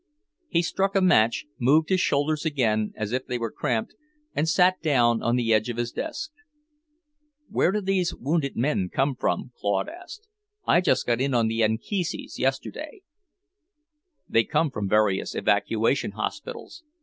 He struck a match, moved his shoulders again as if they were cramped, and sat down on the edge of his desk. "Where do these wounded men come from?" Claude asked. "I just got in on the Anchises yesterday." "They come from various evacuation hospitals.